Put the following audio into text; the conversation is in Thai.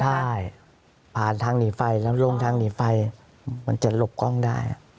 ใช่ผ่านทางหนีไฟแล้วลงทางหนีไฟมันจะหลบกล้องได้